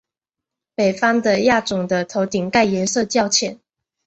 北方的亚种的头顶盖颜色较浅。